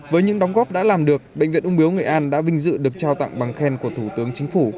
với những đóng góp đã làm được bệnh viện ung bướu nghệ an đã vinh dự được trao tặng bằng khen của thủ tướng chính phủ